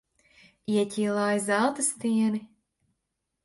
Ieķīlāja zelta stieni.